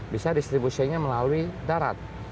bisa distribusinya melalui darat